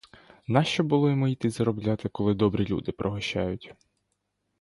Нащо було йому йти заробляти, коли добрі люди пригощають.